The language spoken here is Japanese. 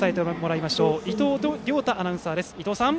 伊藤亮太アナウンサーです。